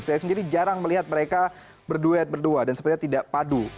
saya sendiri jarang melihat mereka berduet berdua dan sepertinya tidak padu